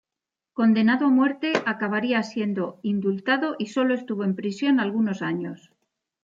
Condenado a muerte, acabaría siendo indultado y sólo estuvo en prisión algunos años.